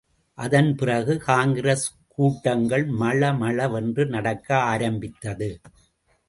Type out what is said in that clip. அதன்பிறகு காங்கிரஸ் கூட்டங்கள் மளமளவென்று நடக்க ஆரம்பித்தது.